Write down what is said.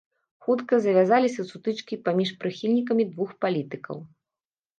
Хутка завязаліся сутычкі паміж прыхільнікамі двух палітыкаў.